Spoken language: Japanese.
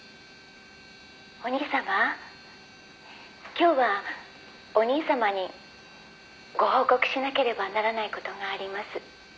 今日はお兄様にご報告しなければならない事があります」